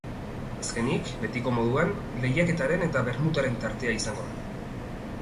Azkenik, betiko moduan, lehiaketaren eta bermutaren tartea izango da.